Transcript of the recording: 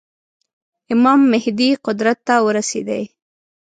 امام مهدي قدرت ته ورسېدی.